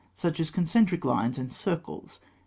221), such as concentric lines and circles (fig.